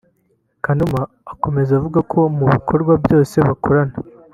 Kanuma akomeza avuga ko mu bikorwa byose bakorana